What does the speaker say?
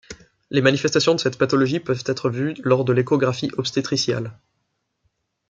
Les manifestations de cette pathologie peuvent être vues lors de l’échographie obstétricale.